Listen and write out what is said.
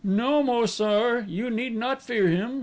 No, Mo sar, you need not fear him.